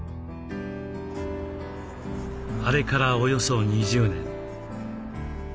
あれからおよそ２０年。